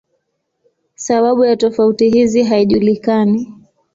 Sababu ya tofauti hizi haijulikani.